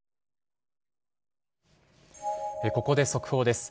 ここで速報です。